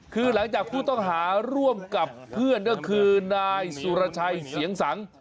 คือหลังจากผู้ต้องหาร่วมกับเพื่อนก็คือนายสุรชัยเสียงสัง